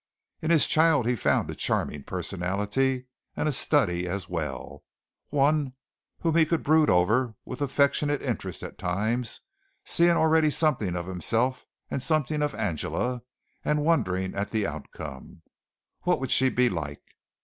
In his child he found a charming personality and a study as well one whom he could brood over with affectionate interest at times, seeing already something of himself and something of Angela, and wondering at the outcome. What would she be like?